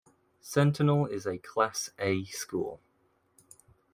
Sentinel is a class 'A' school.